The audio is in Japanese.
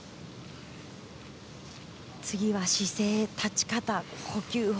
次は姿勢立ち方、呼吸法。